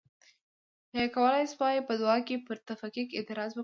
یا یې کولای شوای په دعا کې پر تفکیک اعتراض وکړي.